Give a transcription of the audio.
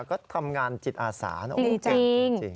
ก็ทำงานจิตอาสานะโอ้เจ็บจริง